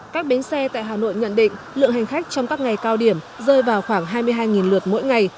các bến xe tại hà nội nhận định lượng hành khách trong các ngày cao điểm rơi vào khoảng hai mươi hai lượt mỗi ngày